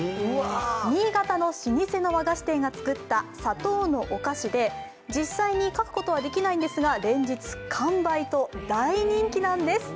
新潟の老舗の和菓子店が作った砂糖のお菓子で実際に描くことはできないんですが、連日完売と大人気なんです。